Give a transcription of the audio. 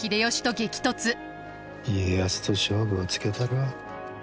家康と勝負をつけたるわ。